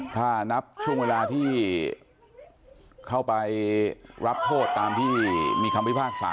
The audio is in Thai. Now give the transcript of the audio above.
ถ้านับช่วงเวลาที่เข้าไปรับโทษตามที่มีคำพิพากษา